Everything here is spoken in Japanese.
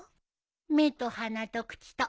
目と鼻と口と。